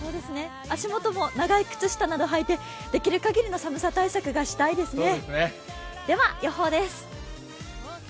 足元も長い靴下など履いて、できるだけの寒さ対策をしたいですね。